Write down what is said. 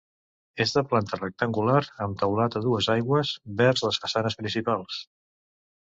És de planta rectangular, amb teulat a dues aigües vers les façanes principals.